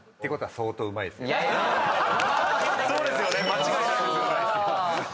そうですよね間違いないですよね。